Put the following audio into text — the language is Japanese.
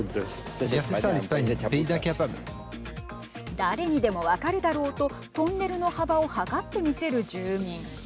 誰にでも分かるだろうとトンネルの幅を測って見せる住民。